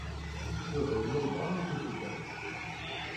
Yuba yella yebɣa ad t-yessedrem.